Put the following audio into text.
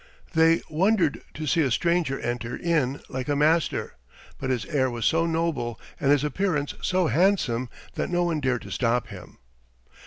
They wondered to see a stranger enter in like a master, but his air was so noble, and his appearance so handsome that no one dared to stop him.